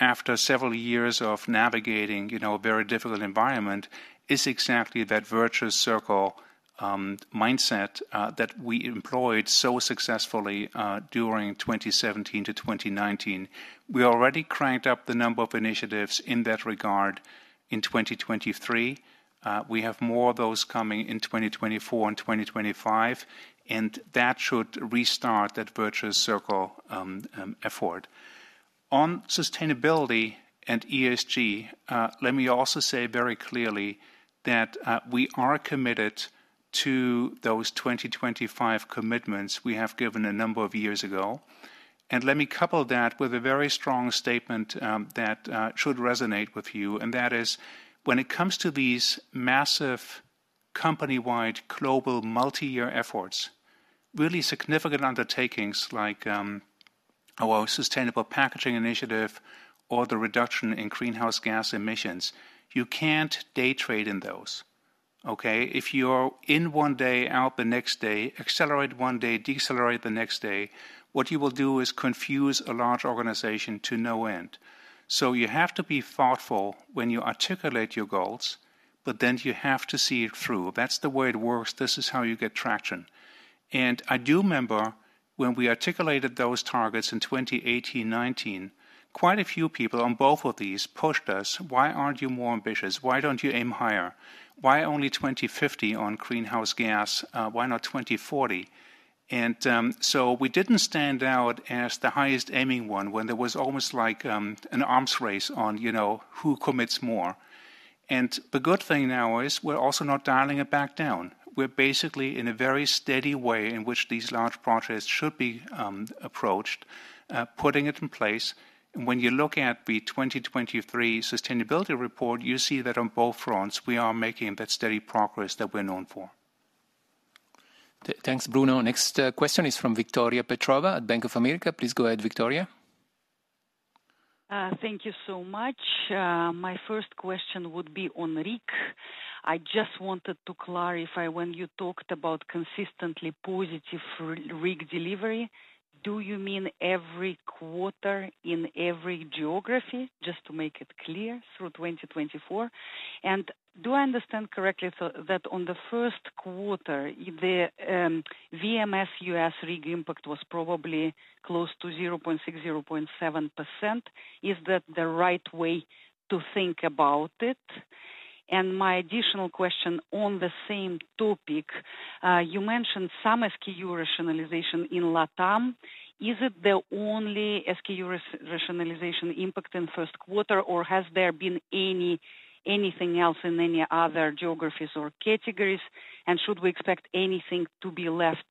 after several years of navigating a very difficult environment is exactly that virtuous circle mindset that we employed so successfully during 2017 to 2019. We already cranked up the number of initiatives in that regard in 2023. We have more of those coming in 2024 and 2025. And that should restart that virtuous circle effort. On sustainability and ESG, let me also say very clearly that we are committed to those 2025 commitments we have given a number of years ago. And let me couple that with a very strong statement that should resonate with you. That is, when it comes to these massive company-wide, global, multi-year efforts, really significant undertakings like our sustainable packaging initiative or the reduction in greenhouse gas emissions, you can't day trade in those, okay? If you're in one day, out the next day, accelerate one day, decelerate the next day, what you will do is confuse a large organization to no end. So you have to be thoughtful when you articulate your goals. But then you have to see it through. That's the way it works. This is how you get traction. And I do remember, when we articulated those targets in 2018, 2019, quite a few people on both of these pushed us, "Why aren't you more ambitious? Why don't you aim higher? Why only 2050 on greenhouse gas? Why not 2040?" And so we didn't stand out as the highest aiming one when there was almost like an arms race on who commits more. And the good thing now is we're also not dialing it back down. We're basically, in a very steady way in which these large projects should be approached, putting it in place. And when you look at the 2023 sustainability report, you see that, on both fronts, we are making that steady progress that we're known for. Thanks, Bruno. Next question is from Victoria Petrova at Bank of America. Please go ahead, Victoria. Thank you so much. My first question would be on RIG. I just wanted to clarify when you talked about consistently positive RIG delivery, do you mean every quarter in every geography, just to make it clear, through 2024? And do I understand correctly that, on the first quarter, the VMS U.S. RIG impact was probably close to 0.6%-0.7%? Is that the right way to think about it? And my additional question on the same topic, you mentioned some SKU rationalization in LATAM. Is it the only SKU rationalization impact in first quarter? Or has there been anything else in any other geographies or categories? And should we expect anything to be left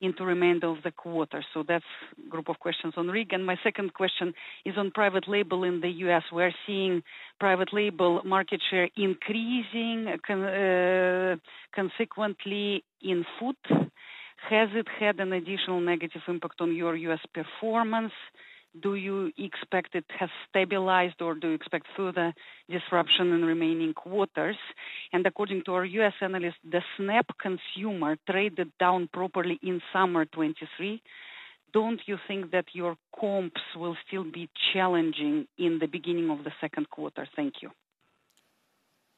in the remainder of the quarter? So that's a group of questions on RIG. And my second question is on private label in the U.S. We're seeing private label market share increasing consequently in food. Has it had an additional negative impact on your U.S. performance? Do you expect it has stabilized? Or do you expect further disruption in remaining quarters? According to our U.S. analyst, the SNAP consumer traded down properly in summer 2023. Don't you think that your comps will still be challenging in the beginning of the second quarter? Thank you.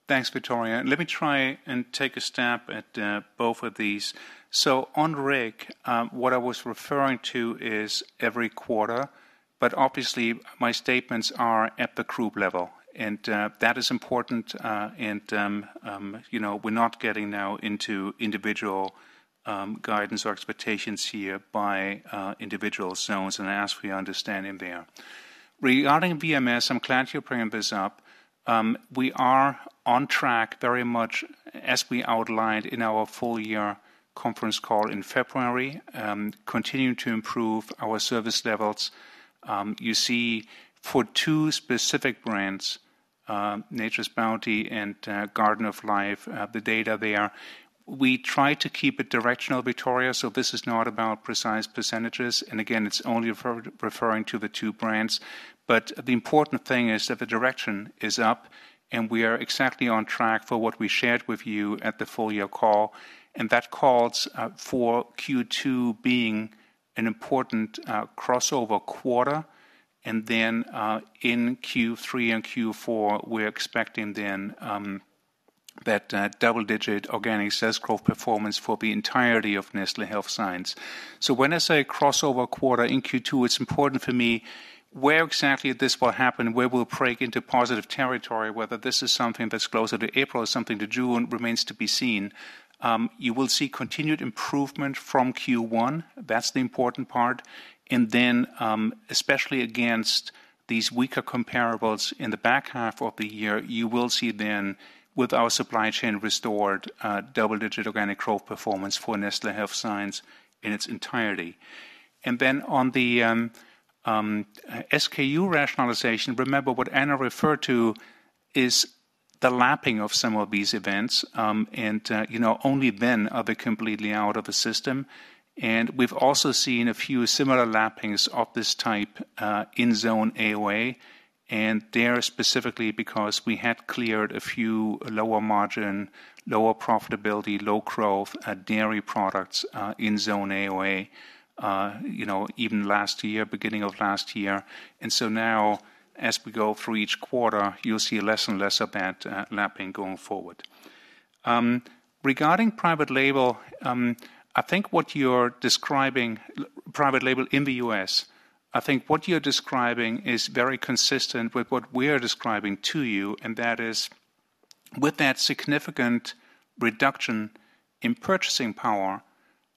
Thanks, Victoria. Let me try and take a stab at both of these. So on RIG, what I was referring to is every quarter. But, obviously, my statements are at the group level. And that is important. And we're not getting now into individual guidance or expectations here by individual zones. And I ask for your understanding there. Regarding VMS, I'm glad you're bringing this up. We are on track very much, as we outlined in our full-year conference call in February, continuing to improve our service levels. You see, for two specific brands, Nature's Bounty and Garden of Life, the data there, we try to keep it directional, Victoria. So this is not about precise percentages. And, again, it's only referring to the two brands. But the important thing is that the direction is up. We are exactly on track for what we shared with you at the full-year call. That calls for Q2 being an important crossover quarter. Then, in Q3 and Q4, we're expecting, then, that double-digit organic sales growth performance for the entirety of Nestlé Health Science. So when I say crossover quarter in Q2, it's important for me where exactly this will happen, where we'll break into positive territory, whether this is something that's closer to April or something to June, remains to be seen. You will see continued improvement from Q1. That's the important part. Then, especially against these weaker comparables in the back half of the year, you will see, then, with our supply chain restored, double-digit organic growth performance for Nestlé Health Science in its entirety. And then, on the SKU rationalization, remember what Anna referred to is the lapping of some of these events. And only then are they completely out of the system. And we've also seen a few similar lappings of this type in Zone AOA. And they're specifically because we had cleared a few lower margin, lower profitability, low growth dairy products in Zone AOA, even last year, beginning of last year. And so now, as we go through each quarter, you'll see less and less of that lapping going forward. Regarding private label, I think what you're describing, private label in the U.S., I think what you're describing is very consistent with what we're describing to you. And that is, with that significant reduction in purchasing power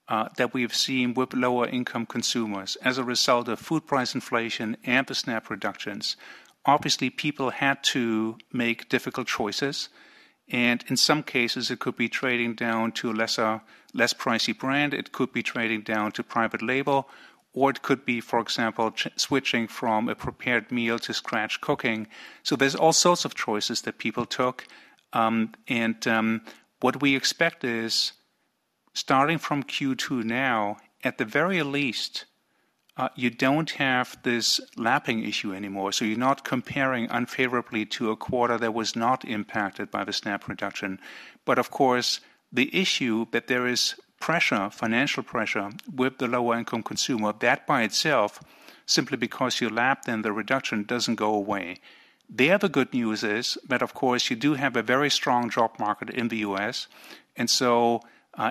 that we've seen with lower-income consumers as a result of food price inflation and the SNAP reductions, obviously, people had to make difficult choices. And in some cases, it could be trading down to a less pricey brand. It could be trading down to private label. Or it could be, for example, switching from a prepared meal to scratch cooking. So there's all sorts of choices that people took. And what we expect is, starting from Q2 now, at the very least, you don't have this lapping issue anymore. So you're not comparing unfavorably to a quarter that was not impacted by the SNAP reduction. But, of course, the issue that there is pressure, financial pressure, with the lower-income consumer, that by itself, simply because you lapped, then, the reduction doesn't go away. The other good news is that, of course, you do have a very strong job market in the U.S. And so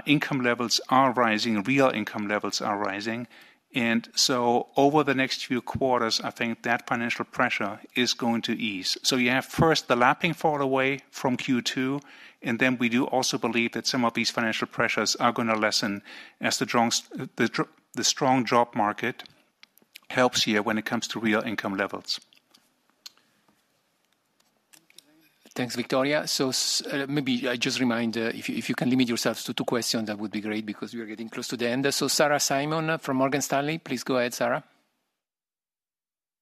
income levels are rising. Real income levels are rising. And so, over the next few quarters, I think that financial pressure is going to ease. So you have, first, the lapping fall away from Q2. And then we do also believe that some of these financial pressures are going to lessen as the strong job market helps here when it comes to real income levels. Thanks, Victoria. So maybe I just remind, if you can limit yourself to two questions, that would be great because we are getting close to the end. So Sarah Simon from Morgan Stanley, please go ahead, Sarah.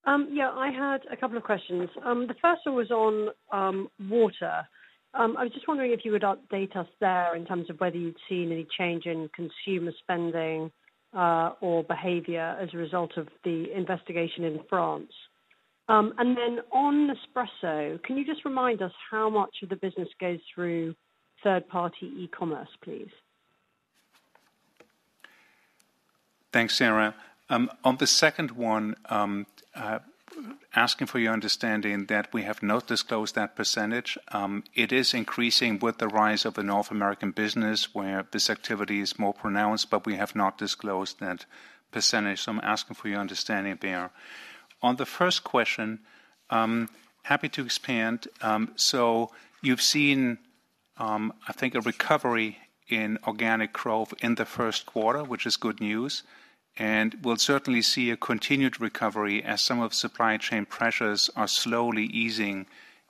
Yeah. I had a couple of questions. The first one was on water. I was just wondering if you would update us there in terms of whether you'd seen any change in consumer spending or behavior as a result of the investigation in France. And then, on Nespresso, can you just remind us how much of the business goes through third-party e-commerce, please? Thanks, Sarah. On the second one, asking for your understanding that we have not disclosed that percentage. It is increasing with the rise of the North American business, where this activity is more pronounced. But we have not disclosed that percentage. So I'm asking for your understanding there. On the first question, happy to expand. So you've seen, I think, a recovery in organic growth in the first quarter, which is good news. We'll certainly see a continued recovery as some of the supply chain pressures are slowly easing.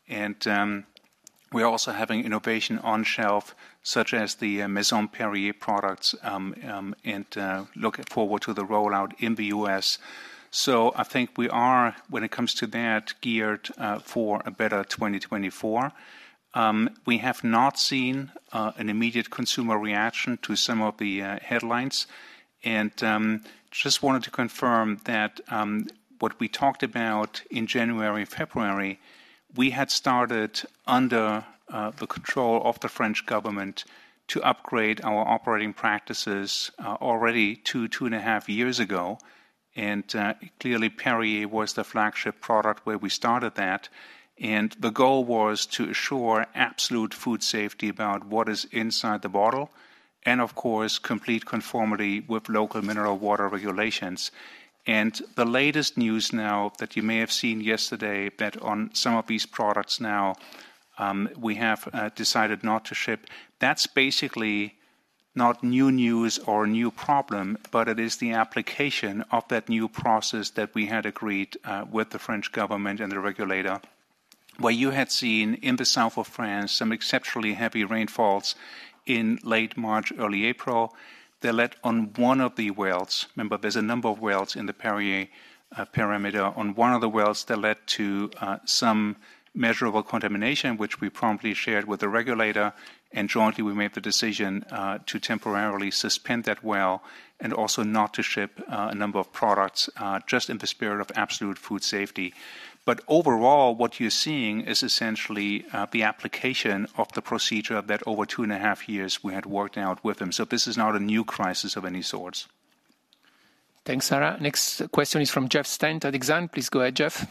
We're also having innovation on shelf, such as the Maison Perrier products. Look forward to the rollout in the U.S. So I think we are, when it comes to that, geared for a better 2024. We have not seen an immediate consumer reaction to some of the headlines. Just wanted to confirm that what we talked about in January, February, we had started under the control of the French government to upgrade our operating practices already 2-2.5 years ago. Clearly, Perrier was the flagship product where we started that. The goal was to assure absolute food safety about what is inside the bottle and, of course, complete conformity with local mineral water regulations. The latest news now that you may have seen yesterday that on some of these products now we have decided not to ship, that's basically not new news or a new problem. But it is the application of that new process that we had agreed with the French government and the regulator, where you had seen, in the south of France, some exceptionally heavy rainfalls in late March, early April, that led, on one of the wells—remember, there's a number of wells in the Perrier perimeter—on one of the wells that led to some measurable contamination, which we promptly shared with the regulator. And jointly, we made the decision to temporarily suspend that well and also not to ship a number of products just in the spirit of absolute food safety. But, overall, what you're seeing is essentially the application of the procedure that, over two and a half years, we had worked out with them. So this is not a new crisis of any sorts. Thanks, Sarah. Next question is from Jeff Stent at Exane. Please go ahead, Jeff.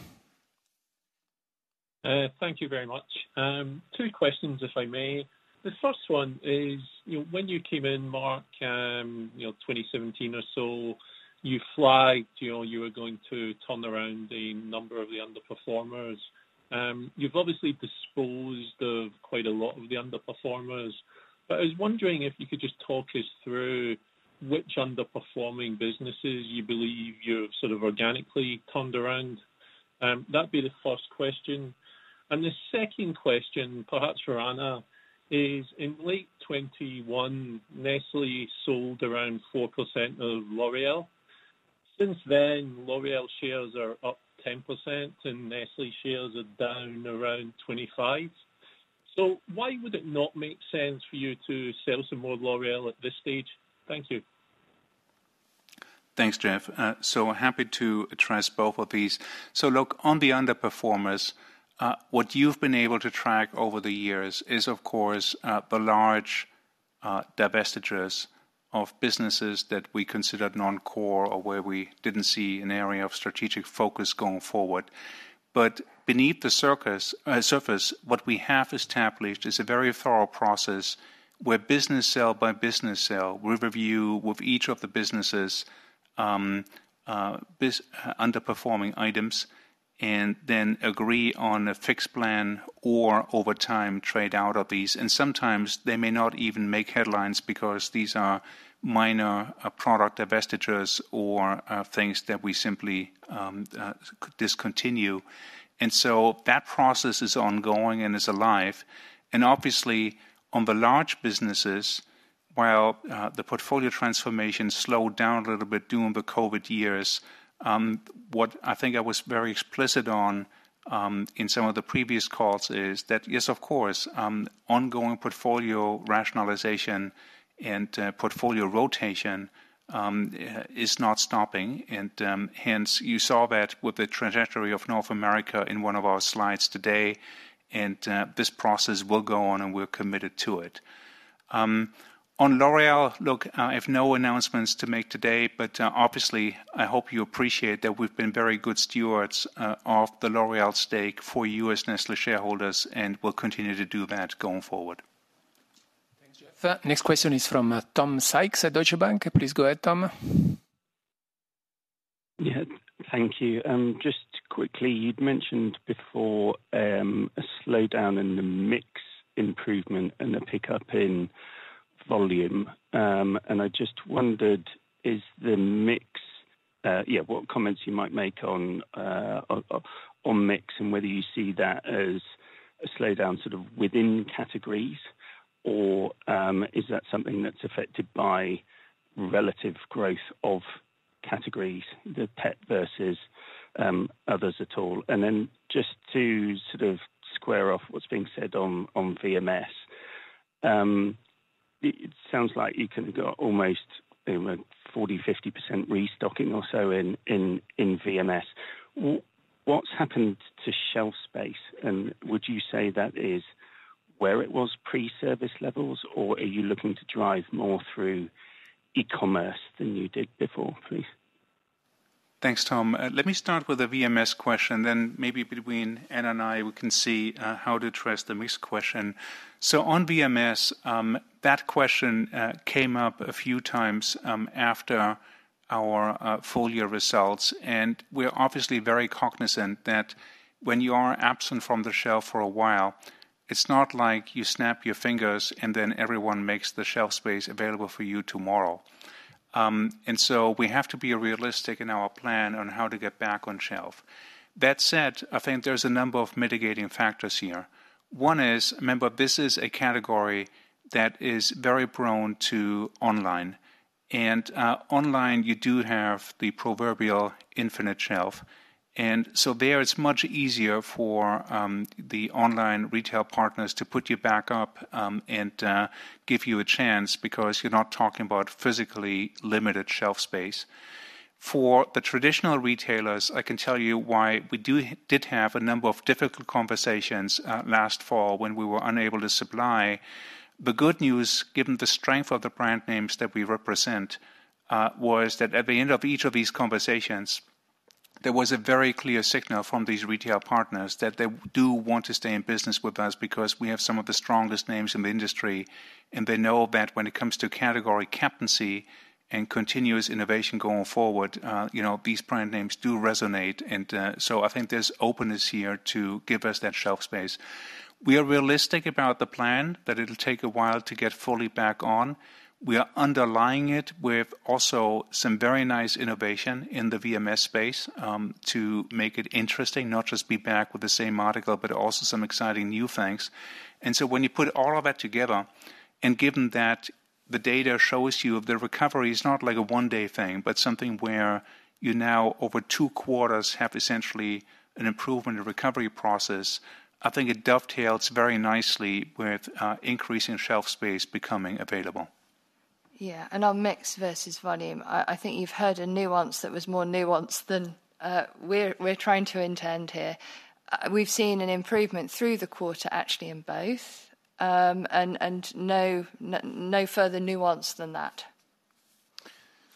Thank you very much. Two questions, if I may. The first one is, when you came in, Mark, 2017 or so, you flagged you were going to turn around the number of the underperformers. You've obviously disposed of quite a lot of the underperformers. But I was wondering if you could just talk us through which underperforming businesses you believe you've sort of organically turned around. That'd be the first question. And the second question, perhaps for Anna, is, in late 2021, Nestlé sold around 4% of L'Oréal. Since then, L'Oréal shares are up 10%. And Nestlé shares are down around 25%. So why would it not make sense for you to sell some more L'Oréal at this stage? Thank you. Thanks, Jeff. So happy to address both of these. So, look, on the underperformers, what you've been able to track over the years is, of course, the large divestitures of businesses that we considered non-core or where we didn't see an area of strategic focus going forward. But beneath the surface, what we have established is a very thorough process where business sale by business sale, we review with each of the businesses underperforming items and then agree on a fixed plan or, over time, trade out of these. And sometimes, they may not even make headlines because these are minor product divestitures or things that we simply discontinue. And so that process is ongoing and is alive. Obviously, on the large businesses, while the portfolio transformation slowed down a little bit during the COVID years, what I think I was very explicit on in some of the previous calls is that, yes, of course, ongoing portfolio rationalization and portfolio rotation is not stopping. Hence, you saw that with the trajectory of North America in one of our slides today. This process will go on. We're committed to it. On L'Oréal, look, I have no announcements to make today. Obviously, I hope you appreciate that we've been very good stewards of the L'Oréal stake for you as Nestlé shareholders. We'll continue to do that going forward. Thanks, Jeff. Next question is from Tom Sykes at Deutsche Bank. Please go ahead, Tom. Yeah. Thank you. Just quickly, you'd mentioned before a slowdown in the mix improvement and a pickup in volume. And I just wondered, is the mix, what comments you might make on mix and whether you see that as a slowdown sort of within categories. Or is that something that's affected by relative growth of categories, the pet versus others at all? And then, just to sort of square off what's being said on VMS, it sounds like you can get almost 40%-50% restocking or so in VMS. What's happened to shelf space? And would you say that is where it was pre-service levels? Or are you looking to drive more through e-commerce than you did before, please? Thanks, Tom. Let me start with a VMS question. Then, maybe between Anna and I, we can see how to address the mix question. So, on VMS, that question came up a few times after our full-year results. And we're obviously very cognizant that when you are absent from the shelf for a while, it's not like you snap your fingers and then everyone makes the shelf space available for you tomorrow. And so we have to be realistic in our plan on how to get back on shelf. That said, I think there's a number of mitigating factors here. One is, remember, this is a category that is very prone to online. And online, you do have the proverbial infinite shelf. There, it's much easier for the online retail partners to put you back up and give you a chance because you're not talking about physically limited shelf space. For the traditional retailers, I can tell you why we did have a number of difficult conversations last fall when we were unable to supply. The good news, given the strength of the brand names that we represent, was that, at the end of each of these conversations, there was a very clear signal from these retail partners that they do want to stay in business with us because we have some of the strongest names in the industry. And they know that, when it comes to category captaincy and continuous innovation going forward, these brand names do resonate. And so I think there's openness here to give us that shelf space. We are realistic about the plan, that it'll take a while to get fully back on. We are underlying it with also some very nice innovation in the VMS space to make it interesting, not just be back with the same article but also some exciting new things. So when you put all of that together and given that the data shows you the recovery is not like a one-day thing but something where you now, over two quarters, have essentially an improvement in recovery process, I think it dovetails very nicely with increasing shelf space becoming available. Yeah. And on mix versus volume, I think you've heard a nuance that was more nuanced than we're trying to intend here. We've seen an improvement through the quarter, actually, in both. And no further nuance than that.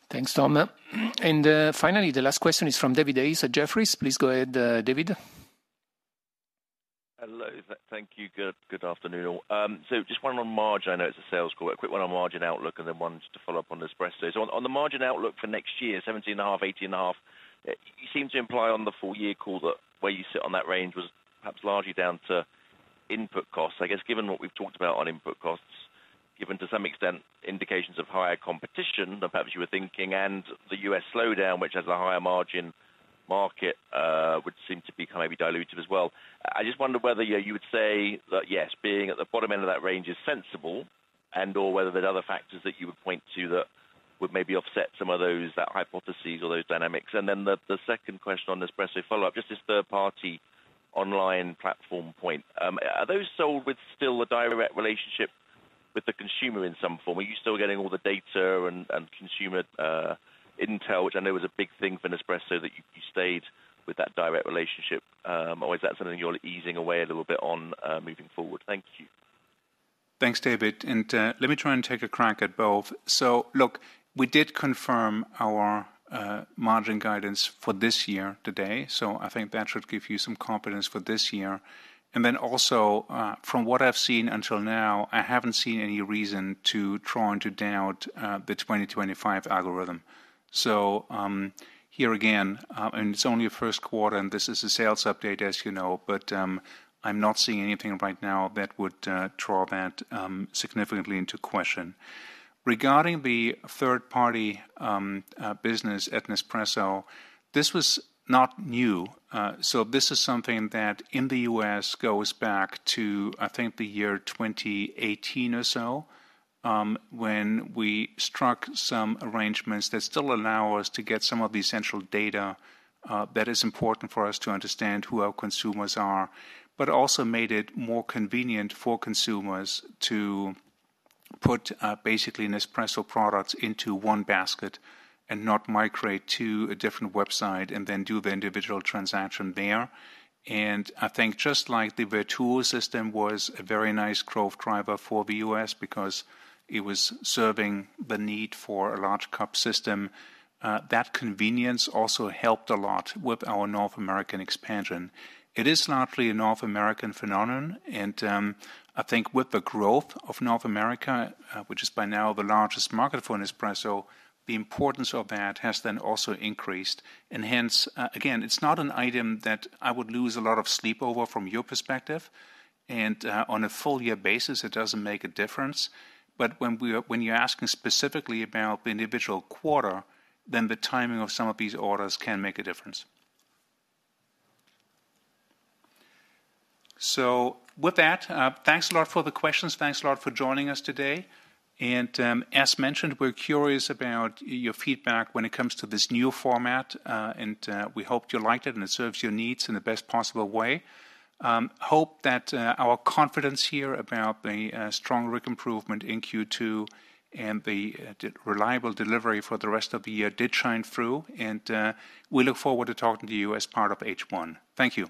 Thanks, Tom. Finally, the last question is from David Hayes at Jefferies. Please go ahead, David. Hello. Thank you. Good afternoon. So just one on margin. I know it's a sales call. A quick one on margin outlook and then one just to follow up on espresso. So, on the margin outlook for next year, 17.5%-18.5%, you seem to imply on the full-year call that where you sit on that range was perhaps largely down to input costs. I guess, given what we've talked about on input costs, given, to some extent, indications of higher competition than perhaps you were thinking and the U.S. slowdown, which has a higher margin market, would seem to become maybe dilutive as well. I just wonder whether you would say that, yes, being at the bottom end of that range is sensible and/or whether there are other factors that you would point to that would maybe offset some of those hypotheses or those dynamics. And then the second question on espresso, follow-up, just this third-party online platform point. Are those sold with still a direct relationship with the consumer in some form? Are you still getting all the data and consumer intel, which I know was a big thing for Nespresso, that you stayed with that direct relationship? Or is that something you're easing away a little bit on moving forward? Thank you. Thanks, David. Let me try and take a crack at both. Look, we did confirm our margin guidance for this year today. I think that should give you some confidence for this year. Then, also, from what I've seen until now, I haven't seen any reason to draw into doubt the 2025 algorithm. Here again, it's only a first quarter. This is a sales update, as you know. But I'm not seeing anything right now that would draw that significantly into question. Regarding the third-party business at Nespresso, this was not new. So this is something that, in the U.S., goes back to, I think, the year 2018 or so when we struck some arrangements that still allow us to get some of the essential data that is important for us to understand who our consumers are but also made it more convenient for consumers to put, basically, Nespresso products into one basket and not migrate to a different website and then do the individual transaction there. And I think, just like the Vertuo system was a very nice growth driver for the U.S. because it was serving the need for a large-cup system, that convenience also helped a lot with our North American expansion. It is largely a North American phenomenon. And I think, with the growth of North America, which is, by now, the largest market for Nespresso, the importance of that has then also increased. Hence, again, it's not an item that I would lose a lot of sleep over from your perspective. On a full-year basis, it doesn't make a difference. But when you're asking specifically about the individual quarter, then the timing of some of these orders can make a difference. With that, thanks a lot for the questions. Thanks a lot for joining us today. As mentioned, we're curious about your feedback when it comes to this new format. We hope you liked it and it serves your needs in the best possible way. Hope that our confidence here about the strong RIC improvement in Q2 and the reliable delivery for the rest of the year did shine through. We look forward to talking to you as part of H1. Thank you.